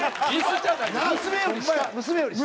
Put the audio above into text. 娘より下！